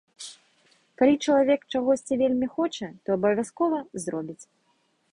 Калі чалавек чагосьці вельмі хоча, то абавязкова зробіць.